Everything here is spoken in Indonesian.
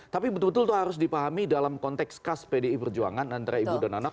tapi betul betul harus dipahami dalam konteks khas pdi perjuangan antara ibu dan anak